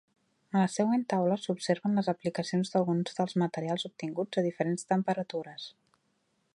A la següent taula s'observen les aplicacions d'alguns dels materials obtinguts a diferents temperatures.